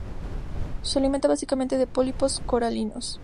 Se alimenta básicamente de pólipos coralinos.